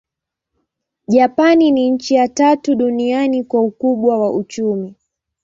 Japani ni nchi ya tatu duniani kwa ukubwa wa uchumi.